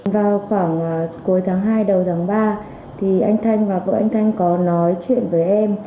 vào khoảng cuối tháng hai đầu tháng ba anh thanh và vợ anh thanh có nói chuyện với em